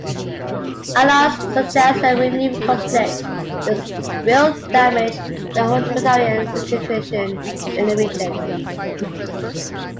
Analysts suggest that renewed conflict will damage the humanitarian situation in the region.